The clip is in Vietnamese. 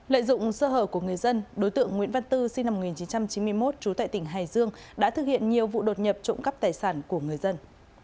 lợi dụng sơ hở của người dân đối tượng nguyễn văn tư sinh năm một nghìn chín trăm chín mươi một trú tại tỉnh hải dương đã thực hiện nhiều vụ đột nhập trộm cắp tài sản của người dân